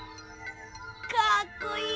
かっこいい！